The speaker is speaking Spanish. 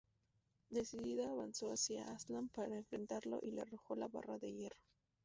Decidida, avanzó hacia Aslan para enfrentarlo y le arrojó la barra de hierro.